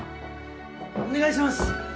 お願いします